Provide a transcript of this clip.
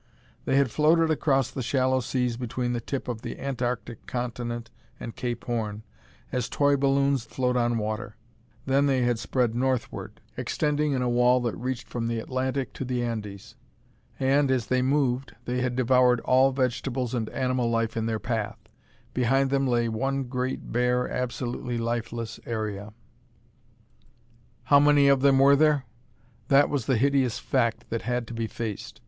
They had floated across the shallow seas between the tip of the Antarctic Continent and Cape Horn, as toy balloons float on water. Then they had spread northward, extending in a wall that reached from the Atlantic to the Andes. And, as they moved, they had devoured all vegetables and animal life in their path. Behind them lay one great bare, absolutely lifeless area. How many of them were there? That was the hideous fact that had to be faced.